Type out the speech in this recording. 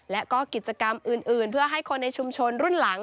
และก็กิจกรรมอื่นเพื่อให้คนในชุมชนรุ่นหลัง